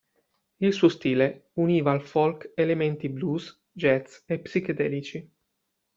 Il suo stile univa al folk elementi blues, jazz e psichedelici.